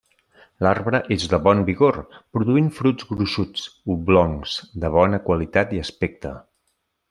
L'arbre és de bon vigor, produint fruits gruixuts, oblongs, de bona qualitat i aspecte.